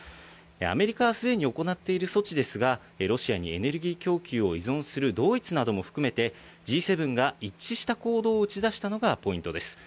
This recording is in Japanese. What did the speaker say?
アメリカはすでに行っている措置ですが、ロシアにエネルギー供給を依存するドイツなども含めて、Ｇ７が一致した行動を打ち出したのがポイントです。